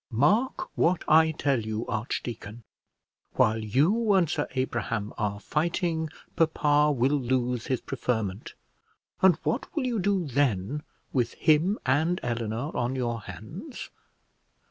Mark what I tell you, archdeacon: while you and Sir Abraham are fighting, papa will lose his preferment; and what will you do then with him and Eleanor on your hands?